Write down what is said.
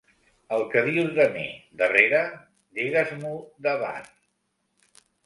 El que dius de mi darrere, digues-m'ho davant.